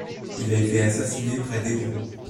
Il a été assassiné près d'Hébron.